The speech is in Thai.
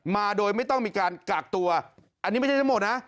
มาโดยไม่ต้องมีการกากตัวอันนี้ไม่ใช่ทั้งหมดนะ